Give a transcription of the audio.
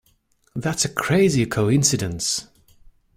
That's a crazy coincidence!